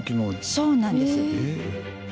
そうなんです。